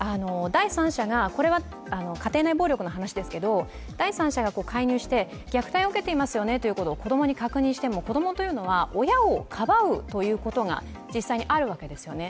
これは家庭内暴力の話ですけど、第三者が介入して虐待を受けていますよねということを子供に確認しても、子供というのは親をかばうということが実際にあるわけですよね。